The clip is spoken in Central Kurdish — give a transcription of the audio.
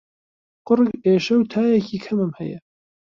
قوڕگ ئێشە و تایەکی کەمم هەیە.